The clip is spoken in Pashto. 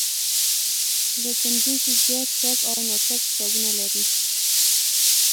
له پنځوسو زیات چاپ او ناچاپ کتابونه لري.